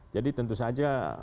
jadi tentu saja